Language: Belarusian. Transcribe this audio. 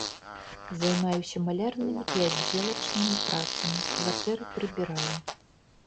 Займаюся малярнымі і аддзелачнымі працамі, кватэры прыбіраю.